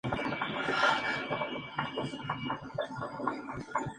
Funciona en la Casa de Casco.